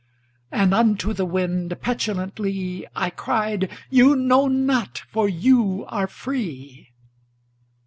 And unto the wind petulantly I cried, "You know not for you are free!"